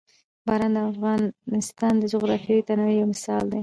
باران د افغانستان د جغرافیوي تنوع یو مثال دی.